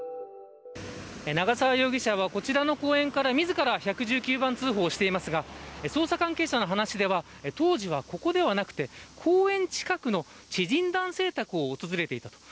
長沢容疑者はこちらの公園から自ら１１９番通報していますが捜査関係者の話では当時は、ここではなくて公園近くの知人男性宅を訪れていたと。